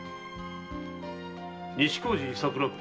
西小路桜子。